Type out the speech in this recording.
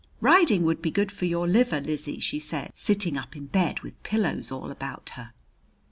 "Riding would be good for your liver, Lizzie," she said, sitting up in bed with pillows all about her.